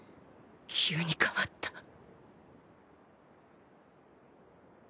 急に変わった